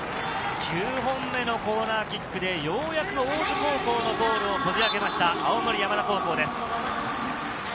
９本目のコーナーキックでようやく大津高校のゴールをこじ開けました、青森山田高校です。